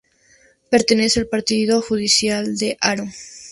Pertenece al partido judicial de Haro.